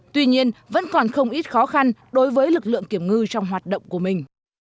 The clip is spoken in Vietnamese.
tuy nhiên vẫn còn không ít khó khăn đối với lực lượng kiểm ngư trong hoạt động của mình